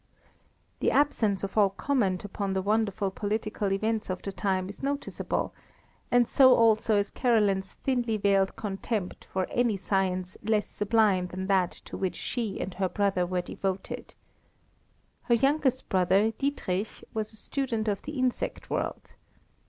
The absence of all comment upon the wonderful political events of the time is noticeable, and so also is Caroline's thinly veiled contempt for any science less sublime than that to which she and her brother were devoted. Her youngest brother, Dietrich, was a student of the insect world.